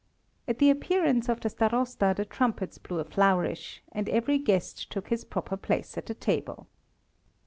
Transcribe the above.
At the appearance of the Starosta the trumpets blew a flourish, and every guest took his proper place at the table.